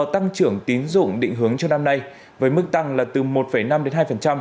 tăng trưởng tín dụng định hướng cho năm nay với mức tăng là từ một năm đến hai